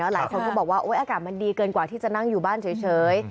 หลายคนก็บอกว่าอากาศมันดีเกินกว่าที่จะนั่งอยู่บ้านเฉย